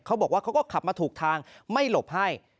เขาบอกว่าเขาก็ขับมาถูกทางไม่หลบให้